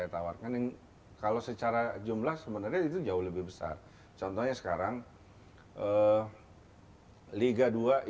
kecil walaikothu ini juga kepada punya acara untuk berobatih dengan budaya lain itu bisa sepakat juga memang genes perasaan k counselors in there to be a loto organization